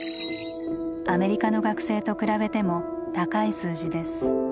アメリカの学生と比べても高い数字です。